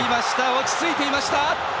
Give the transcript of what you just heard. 落ち着いていました。